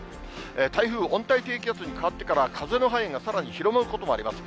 台風、温帯低気圧に変わってから、風の範囲がさらに広がることもあります。